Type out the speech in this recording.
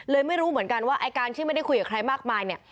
ไม่รู้เหมือนกันว่าไอ้การที่ไม่ได้คุยกับใครมากมายเนี่ย